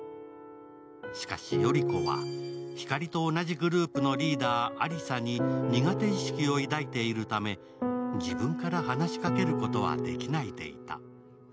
しかし、依子はひかりと同じグループのリーダー、亜梨沙に苦手意識を抱いているため、自分から話しかけることはできないでいた。